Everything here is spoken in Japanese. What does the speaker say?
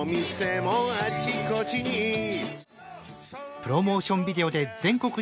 プロモーションビデオで全国にＰＲ。